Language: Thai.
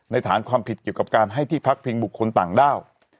ฐานความผิดเกี่ยวกับการให้ที่พักพิงบุคคลต่างด้าว